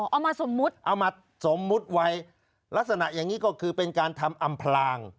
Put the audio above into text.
เอามาสมมุติเอามาสมมุติไว้ลักษณะอย่างนี้ก็คือเป็นการทำอำพลาง